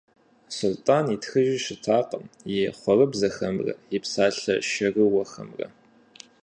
Сулътӏан итхыжу щытакъым и хъуэрыбзэхэмрэ и псалъэ шэрыуэхэмрэ.